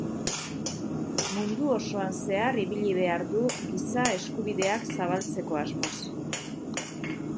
Mundu osoan zehar ibili behar du Giza Eskubideak zabaltzeko asmoz.